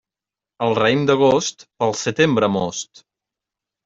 El raïm d'agost, pel setembre most.